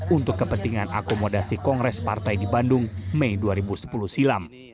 untuk kepentingan akomodasi kongres partai di bandung mei dua ribu sepuluh silam